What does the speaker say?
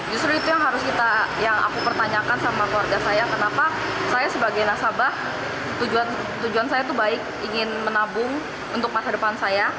justru itu yang harus kita yang aku pertanyakan sama keluarga saya kenapa saya sebagai nasabah tujuan saya itu baik ingin menabung untuk masa depan saya